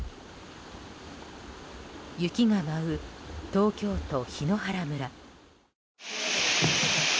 雪が舞う東京都檜原村。